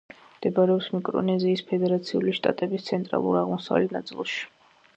მდებარეობს მიკრონეზიის ფედერაციული შტატების ცენტრალურ-აღმოსავლეთ ნაწილში.